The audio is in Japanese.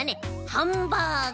ハンバーグ！